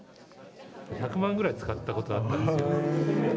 １００万ぐらい使ったことあったんですよね。